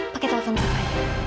pakai telpon kepadanya